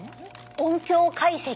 音響解析。